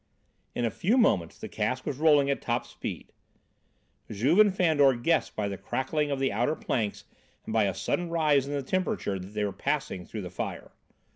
In a few moments the cask was rolling at top speed. Juve and Fandor guessed by the crackling of the outer planks and by a sudden rise in the temperature that they were passing through the fire.